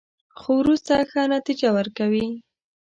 خو وروسته ښه نتیجه ورکوي.